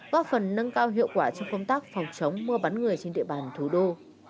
góp phần nâng cao hiệu quả trong công tác phòng chống mua bán người trên địa bàn thủ đô